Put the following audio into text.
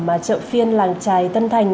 mà trợ phiên làng trài tân thành